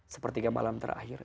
sepertiga malam terakhir